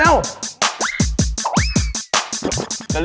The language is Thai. หนะถูกหันไหว